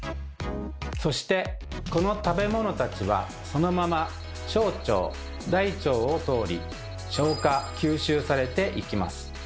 そしてこの食べ物たちはそのまま小腸大腸を通り消化吸収されていきます。